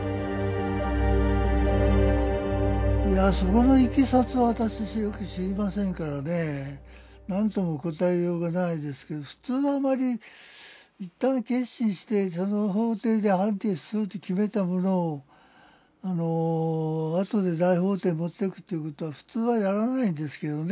いやそこのいきさつは私よく知りませんからねなんとも答えようがないですけど普通はあまり一旦結審してその法廷で判決すると決めたものをあとで大法廷持ってくっていうことは普通はやらないんですけどね。